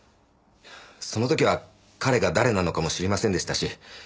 その時は彼が誰なのかも知りませんでしたし